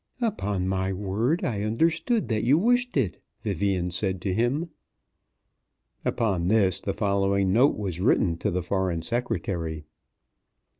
"Upon my word I understood that you wished it," Vivian said to him. Upon this the following note was written to the Foreign Secretary.